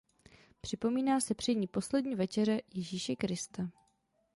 Připomíná se při ní Poslední večeře Ježíše Krista.